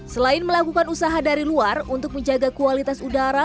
selain melakukan usaha dari luar untuk menjaga kualitas udara